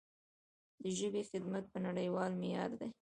د ژبې خدمت په نړیوال معیار دی.